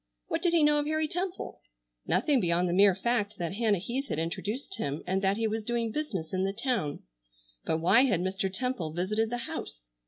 What did he know of Harry Temple? Nothing beyond the mere fact that Hannah Heath had introduced him and that he was doing business in the town. But why had Mr. Temple visited the house?